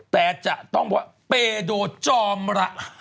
แต่จะต้องว่าเพดอลจอมระห่ำ